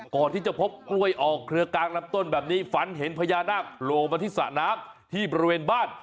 ก่อนที่จะพบกล้วยออกเขือกลางลับต้นแบบนี้ฝันเห็นพญานาคโลบธิษฐานาคที่บริเวณบ้าน